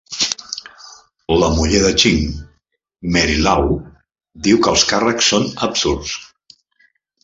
La muller de Ching, Mary Lau, diu que els càrrecs són absurds.